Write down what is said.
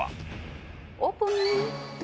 オープン！